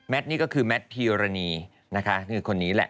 นี่ก็คือแมทพีรณีนะคะคือคนนี้แหละ